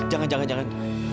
jangan jangan jangan